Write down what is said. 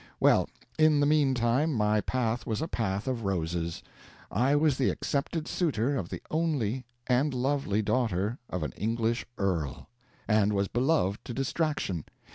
Well, in the mean time my path was a path of roses. I was the accepted suitor of the only and lovely daughter of an English earl, and was beloved to distraction.